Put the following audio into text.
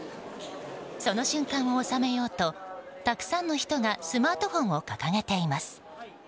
その瞬間を収めようとたくさんの人がスマートフォンを掲げています。